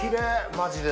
マジで。